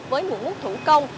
với mũi mút thủ công